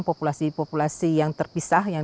populasi populasi yang terpisah yang